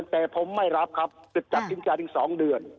แต่ผมไม่รับครับจากทิ้งจานทั้ง๒เดือน